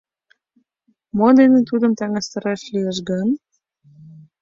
Мо дене тудым таҥастараш лиеш гын?